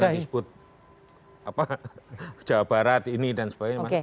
tadi disebut jawa barat ini dan sebagainya